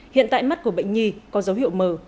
hiện tại mắt của bệnh nhi có dấu hiệu mờ